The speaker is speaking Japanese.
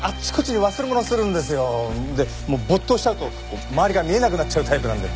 没頭しちゃうと周りが見えなくなっちゃうタイプなんで。